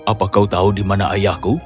apa kau tahu di mana ayahku